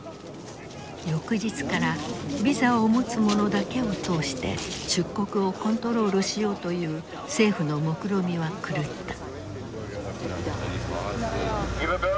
翌日からビザを持つ者だけを通して出国をコントロールしようという政府のもくろみは狂った。